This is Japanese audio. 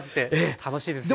楽しいですよね。